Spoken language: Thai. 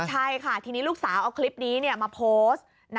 ใช่ค่ะทีนี้ลูกสาวเอาคลิปนี้มาโพสต์